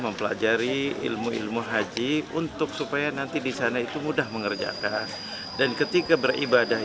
mempelajari ilmu ilmu haji untuk supaya nanti di sana itu mudah mengerjakan dan ketika beribadah